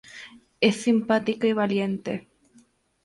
Es simpática y valiente.